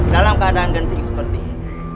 dalam keadaan genting seperti ini